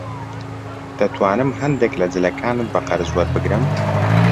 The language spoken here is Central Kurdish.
دەتوانم هەندێک لە جلەکانت بە قەرز وەربگرم؟